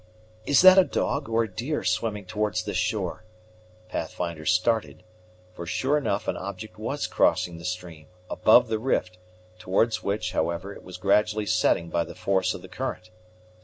"Is that a dog, or a deer, swimming towards this shore?" Pathfinder started, for sure enough an object was crossing the stream, above the rift, towards which, however, it was gradually setting by the force of the current.